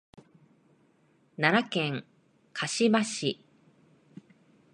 奈良県香芝市